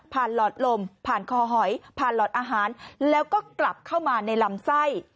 หลอดลมผ่านคอหอยผ่านหลอดอาหารแล้วก็กลับเข้ามาในลำไส้